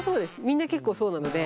みんな結構そうなので。